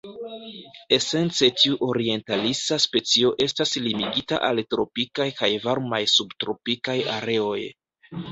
Esence tiu orientalisa specio estas limigita al tropikaj kaj varmaj subtropikaj areoj.